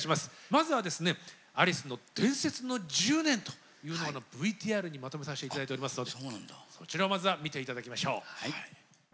まずはですねアリスの伝説の１０年というものをＶＴＲにまとめさせて頂いておりますのでそちらをまずは見て頂きましょう。